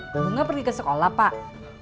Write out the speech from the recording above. bunga pergi ke sekolah pak